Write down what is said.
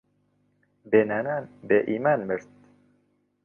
بێ نانان بێ ئیمان مرد